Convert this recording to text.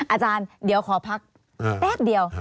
อาจารย์เดี๋ยวขอพักแป๊บเดียว